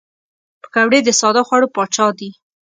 پکورې د ساده خوړو پاچا دي